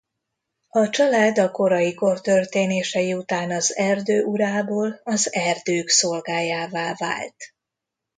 A család a korai kor történései után az erdő urából az erdők szolgájává vált.